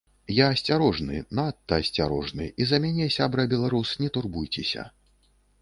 Я асцярожны, надта асцярожны, і за мяне, сябра беларус, не турбуйцеся.